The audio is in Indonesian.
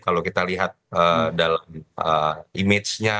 kalau kita lihat dalam image nya